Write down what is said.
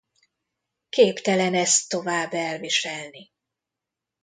Képtelen ezt tovább elviselni.